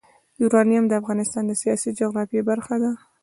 یورانیم د افغانستان د سیاسي جغرافیه برخه ده.